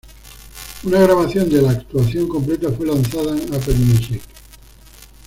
Una grabación de la actuación completa fue lanzada en Apple Music.